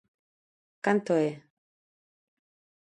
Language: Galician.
¿Canto é?